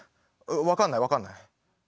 分かんない分かんない。